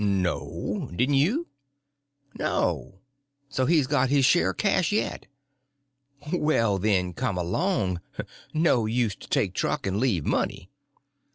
"No. Didn't you?" "No. So he's got his share o' the cash yet." "Well, then, come along; no use to take truck and leave money."